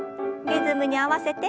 リズムに合わせて。